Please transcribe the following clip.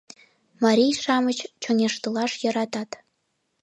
— Марий-шамыч чоҥештылаш йӧратат.